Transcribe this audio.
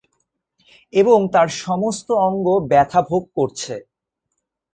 এবং তার সমস্ত অঙ্গ ব্যাথা ভোগ করছে।